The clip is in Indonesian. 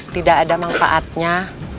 tidak ada manfaatnya